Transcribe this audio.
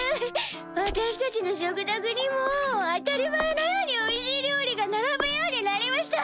私たちの食卓にも当たり前のようにおいしい料理が並ぶようになりました！